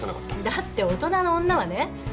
だって大人の女はね